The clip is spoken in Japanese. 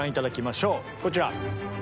こちら。